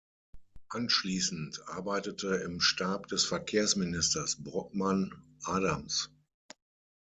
Anschließend arbeitete im Stab des Verkehrsministers Brockman Adams.